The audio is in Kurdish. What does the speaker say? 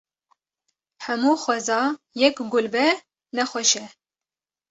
Hemû xweza yek gul be ne xweş e.